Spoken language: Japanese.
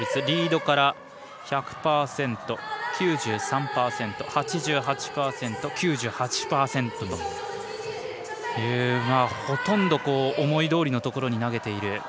リードから１００％、９３％８８％、９８％というほとんど思いどおりのところに投げている。